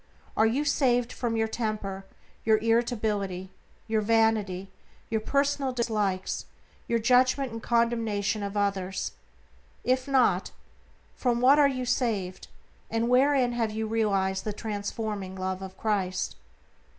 Are you saved from your temper, your irritability, your vanity, your personal dislikes, your judgment and condemnation of others? If not, from what are you saved, and wherein have you realized the transforming Love of Christ?